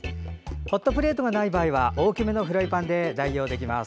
ホットプレートがない場合は大きめのフライパンで代用できます。